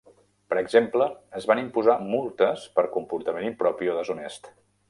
Per exemple, es van imposar multes per comportament impropi o deshonest.